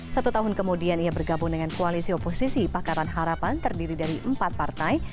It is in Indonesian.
satu tahun kemudian ia bergabung dengan koalisi oposisi pakaran harapan terdiri dari empat partai